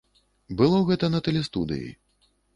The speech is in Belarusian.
Было гэта на тэлестудыі.